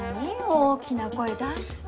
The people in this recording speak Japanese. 大きな声出して。